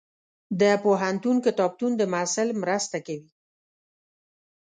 د پوهنتون کتابتون د محصل مرسته کوي.